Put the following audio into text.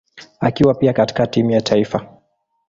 akiwa pia katika timu ya taifa.